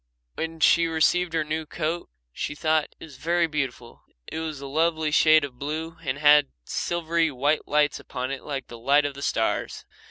When she received her new coat she thought it was very beautiful. It was a lovely shade of blue and it had silvery white lights upon it like the light of the stars.